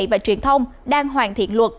và truyền thông đang hoàn thiện luật